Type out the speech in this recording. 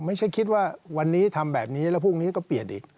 ไม่ใช่คิดว่าวันนี้ทำแบบนี้แล้วพรุ่งนี้ก็เปลี่ยนอีก